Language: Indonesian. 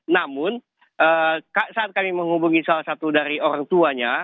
namun saat kami menghubungi salah satu dari orang tuanya